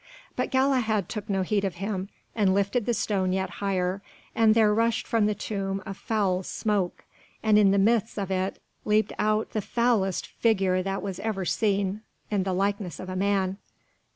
But Galahad took no heed of him, and lifted the stone yet higher, and there rushed from the tomb a foul smoke, and in the midst of it leaped out the foulest figure that ever was seen in the likeness of a man.